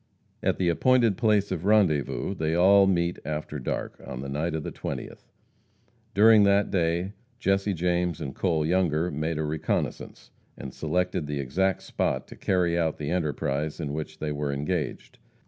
At the appointed place of rendezvous they all meet after dark, on the night of the twentieth. During that day Jesse James and Cole Younger made a reconnoissance, and selected the exact spot to carry out the enterprise in which they were engaged.